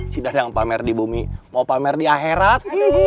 si dadang pamer di bumi mau pamer di akhirat